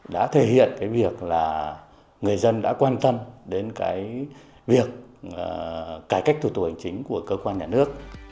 đã thể hiện cái việc là người dân đã quan tâm đến cái việc cải cách thủ tục hành chính của cơ quan nhà nước